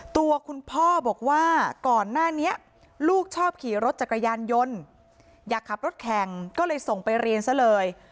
ตัวคุณพ่อบอกว่าก่อนหน้านี้ลูกชอบขี่รถจักรยานยนต์อยากขับรถแข่งก็เลยส่งไปเรียนซะเลย